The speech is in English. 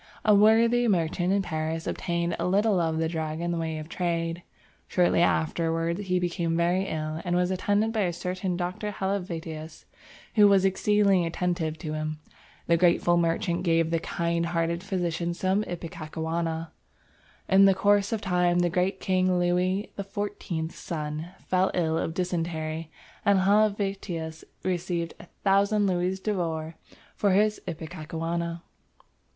A worthy merchant in Paris obtained a little of the drug in the way of trade. Shortly afterwards he became very ill and was attended by a certain Dr. Helvetius, who was exceedingly attentive to him. The grateful merchant gave the kind hearted physician some ipecacuanha. In the course of time the great King Louis XIV's son fell ill of dysentery, and Helvetius received 1000 louis d'or for his ipecacuanha.